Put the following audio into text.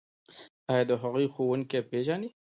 ایا د هغوی ښوونکي پیژنئ؟